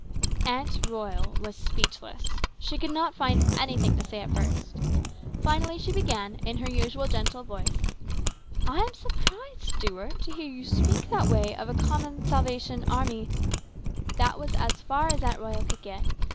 " Aunt Royal was speechless. She could not find anything to say at first. Finally she began, in her usual gentle voice :" I am surprised, Stuart, to hear you speak that way of a common Salvation Army " That was as far as Aunt Royal could get.